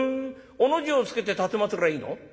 『お』の字をつけて奉りゃいいの？